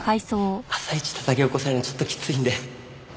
朝イチたたき起こされるのちょっとキツいんで。